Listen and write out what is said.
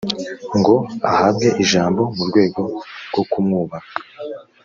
ngo ahabwe ijambo mu rwego rwo kumwubaha